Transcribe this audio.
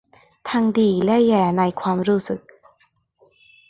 ทั้งดีและแย่ในความรู้สึก